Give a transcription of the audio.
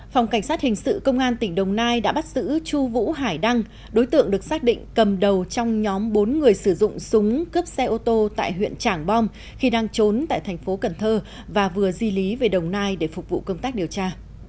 phòng cảnh sát hình sự công an tỉnh đồng nai đã bắt giữ chu vũ hải đăng đối tượng được xác định cầm đầu trong nhóm bốn người sử dụng súng cướp xe ô tô tại huyện trảng bom khi đang trốn tại thành phố cần thơ và vừa di lý về đồng nai để phục vụ công tác điều tra